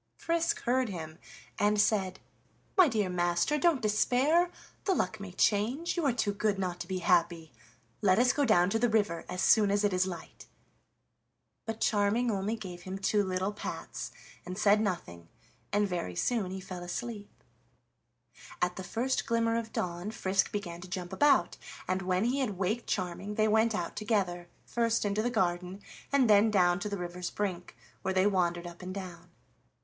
Frisk heard him and said: "My dear master, don't despair; the luck may change, you are too good not to be happy. Let us go down to the river as soon as it is light." But Charming only gave him two little pats and said nothing, and very soon he fell asleep. At the first glimmer of dawn Frisk began to jump about, and when he had waked Charming they went out together, first into the garden, and then down to the river's brink, where they wandered up and down.